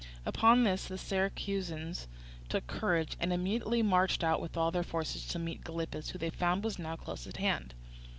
Upon this the Syracusans took courage, and immediately marched out with all their forces to meet Gylippus, who they found was now close at hand.